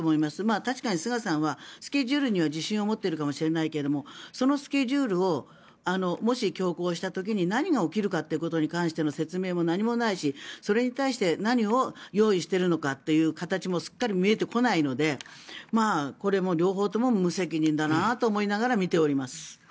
確かに菅さんはスケジュールには自信を持っているかもしれないけどそのスケジュールをもし、強行した時に何が起きるかということに関して説明が何もないし、それに対して何を用意しているのかという形もすっかり見えてこないのでこれも両方とも無責任だなと思いながら見ております。